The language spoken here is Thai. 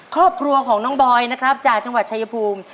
ครอบครัวของน้องบอยนะครับจากจังหวัดชายภูมิ